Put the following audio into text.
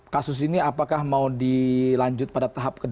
kasus ini apakah mau dilanjut pada tahap kedua